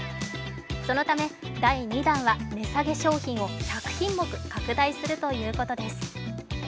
そのため、第２弾は値下げ商品を１００品目拡大するということです。